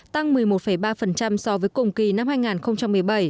tăng một mươi một ba so với cùng kỳ năm hai nghìn một mươi bảy